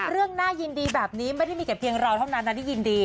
น่ายินดีแบบนี้ไม่ได้มีแต่เพียงเราเท่านั้นนะที่ยินดี